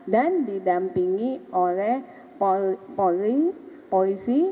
dan didampingi oleh polisi